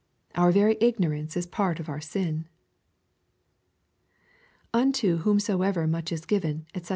Our very ignorance is part of our sin. [ Unto whomsoever much is given^ <fcc.